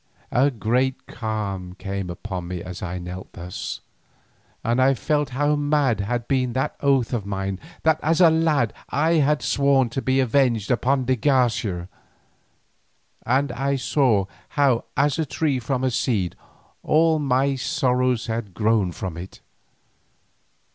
A great calm came upon me as I knelt thus, and I felt how mad had been that oath of mine that as a lad I had sworn to be avenged upon de Garcia, and I saw how as a tree from a seed, all my sorrows had grown from it.